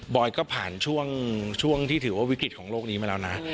อยก็ผ่านช่วงที่ถือว่าวิกฤตของโลกนี้มาแล้วนะ